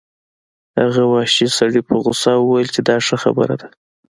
هغه وحشي سړي په غوسه وویل چې دا ښه خبره ده